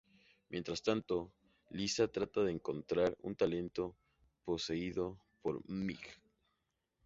Mientras tanto, Lisa trata de encontrar un talento poseído por Meg.